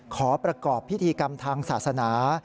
ขอประกอบพิธีกรรมทางศาสนา